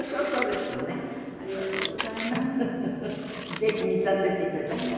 ぜひ見させて頂きます。